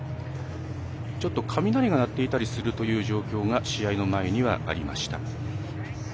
雷が鳴っていたりする状況が試合の前にはありました。